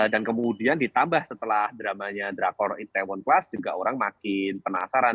dan kemudian ditambah setelah dramanya drakor itaewon class juga orang makin penasaran